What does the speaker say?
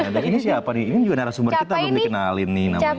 dan ini siapa nih ini juga narasumber kita belum dikenalin nih namanya